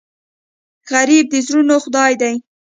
غریب د زړونو خدای دی